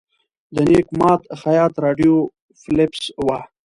د نیک ماد خیاط راډیو فلپس وه.